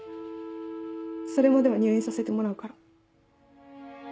それまでは入院させてもらうから。